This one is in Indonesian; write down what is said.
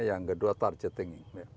yang kedua targetting